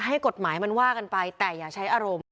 ให้กฎหมายมันว่ากันไปแต่อย่าใช้อารมณ์